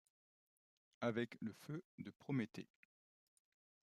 Avec le feu de Prométhée